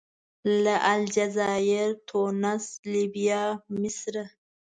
له الجزایر، تونس، لیبیا، مصره.